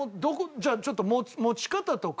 じゃあちょっと持ち方とか。